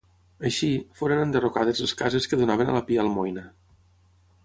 Així, foren enderrocades les cases que donaven a la Pia Almoina.